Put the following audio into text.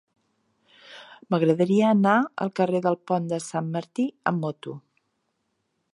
M'agradaria anar al carrer del Pont de Sant Martí amb moto.